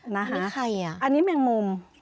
ใครอ่ะอันนี้แมงมุม